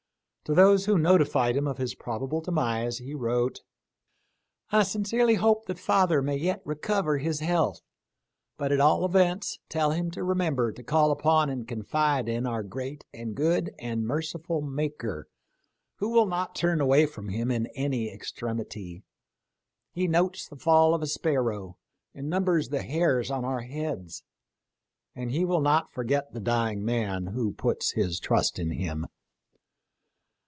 To those who notified him of his probable demise he wrote :" I sincerely hope that father may yet recover his health ; but at all events tell him to remember to call upon and confide in our great and good and merciful Maker, who will not turn away from him in any extremity. He notes the fall of a sparrow, and numbers the hairs of our heads ; and He will not forget the dying man who puts his trust in him.